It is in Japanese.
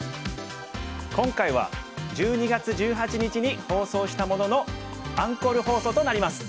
今回は１２月１８日に放送したもののアンコール放送となります。